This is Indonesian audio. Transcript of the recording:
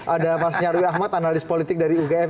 ada mas nyarwi ahmad analis politik dari ugm